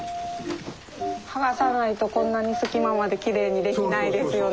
剥がさないとこんなに隙間まできれいにできないですよね。